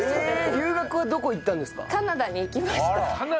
留学はどこ行ったんですか？